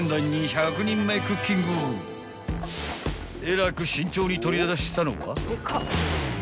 ［えらく慎重に取り出したのは］